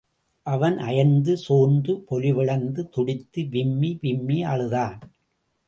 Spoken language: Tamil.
அவன் அயர்ந்து சோர்ந்து பொலிவிழந்து துடித்து விம்மி விம்மி அழுதான்.